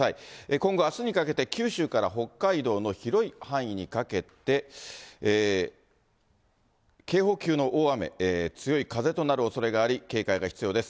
今後、あすにかけて、九州から北海道の広い範囲にかけて、警報級の大雨、強い風となるおそれがあり、警戒が必要です。